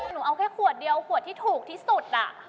หนูเอาแค่ขวดเดียวขวดที่ถูกที่สุด